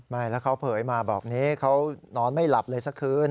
ไม่แล้วเขาเผยมาแบบนี้เขานอนไม่หลับเลยสักคืน